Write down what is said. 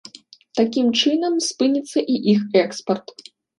Такім чынам, спыніцца і іх экспарт.